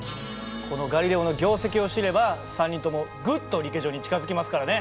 このガリレオの業績を知れば３人ともぐっとリケジョに近づきますからね。